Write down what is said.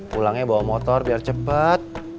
pulangnya bawa motor biar cepat